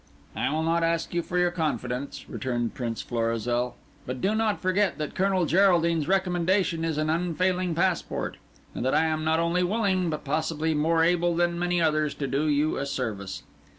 "I will not ask you for your confidence," returned Prince Florizel. "But do not forget that Colonel Geraldine's recommendation is an unfailing passport; and that I am not only willing, but possibly more able than many others, to do you a service."